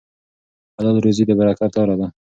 حلاله روزي د برکت لاره ده.